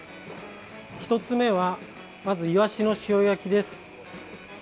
１つ目はまず、イワシの塩焼きです。